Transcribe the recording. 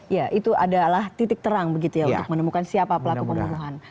ya itu adalah titik terang begitu ya untuk menemukan siapa pelaku pembunuhan